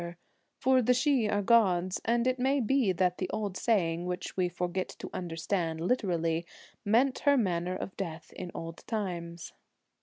44 her, for the Sidhe are the gods, and it may ' Dust hath be that the old saying, which we forget to Helen's understand literally, meant her manner of eye * death in old times.